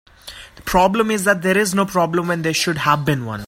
The problem is that there is no problem when there should have been one.